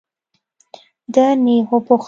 ده نېغ وپوښتل.